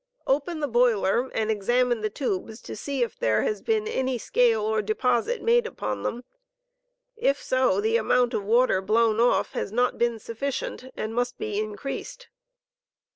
Open the boiler and examine the tubes to see if there has been any scale ox deposit made upon theni; if so, the amount of water blown off has not been sufficient and must be increased.